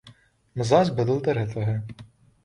مزاج بدلتا رہتا ہے